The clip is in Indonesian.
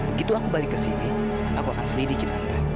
begitu aku balik ke sini aku akan selidiki anda